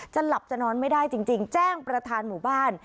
หลับจะนอนไม่ได้จริงแจ้งประธานหมู่บ้าน